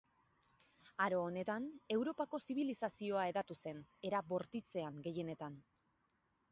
Aro honetan Europako zibilizazioa hedatu zen, era bortitzean gehienetan.